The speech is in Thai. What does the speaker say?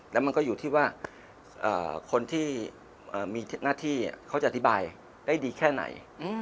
แล้วมันก็อยู่ที่ว่าคนที่มีหน้าที่เขาจะอธิบายได้ดีแค่ไหน